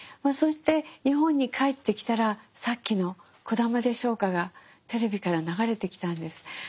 そして日本に帰ってきたらさっきの「こだまでしょうか」がテレビから流れてきたんです。